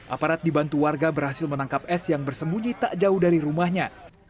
aparat dibantu warga berhasil menangkap s yang bersembunyi tak jauh dari rumahnya